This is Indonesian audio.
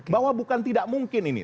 bahwa bukan tidak mungkin ini